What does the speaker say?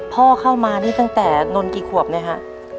พ่อเข้ามานี่ตั้งแต่นนกี่ขวบเนี่ยฮะ